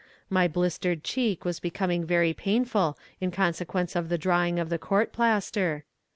My blistered cheek was becoming very painful in consequence of the drawing of the court plaster.